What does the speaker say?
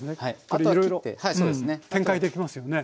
これいろいろ展開できますよね。